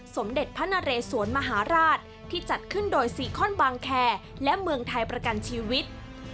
สมเด็จพระนเรสวนมหาราชที่จัดขึ้นโดยซีคอนบางแคร์และเมืองไทยประกันชีวิต